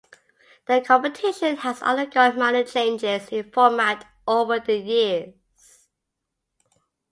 The competition has undergone minor changes in format over the years.